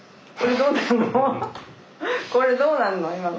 これどうなの？